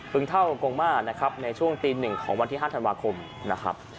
ึงเท่ากงมานะครับในช่วงตี๑ของวันที่๕ธันวาคมนะครับ